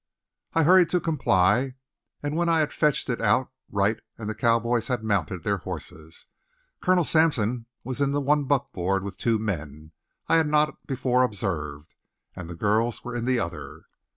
I hurried to comply, and when I had fetched it out Wright and the cowboys had mounted their horses, Colonel Sampson was in the one buckboard with two men I had not before observed, and the girls were in the other.